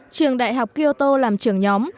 trường đại học kyoto làm trưởng nhóm